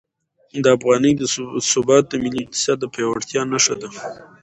د افغانۍ ثبات د ملي اقتصاد د پیاوړتیا نښه ده.